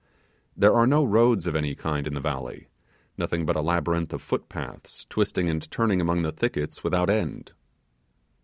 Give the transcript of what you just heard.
There are no roads of any kind in the valley. Nothing but a labyrinth of footpaths twisting and turning among the thickets without end.